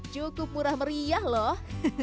cukup murah meriah loh